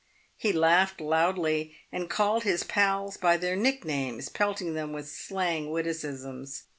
He laughed loudly, and called his pals by their nick names, pelting them with slang witticisms.